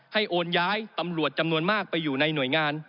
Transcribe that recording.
โอนย้ายตำรวจจำนวนมากไปอยู่ในหน่วยงาน